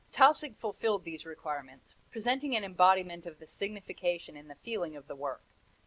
Tausig fulfilled these requirements, presenting an embodiment of the signification and the feeling of the work.